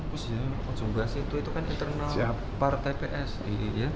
bersama mas gaisang itu kan internal partai psi